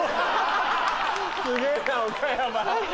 すげぇな岡山。